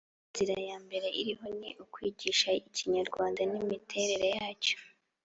Inzira ya mbere iriho ni ukwigisha ikinyarwanda n’imiterere yacyo.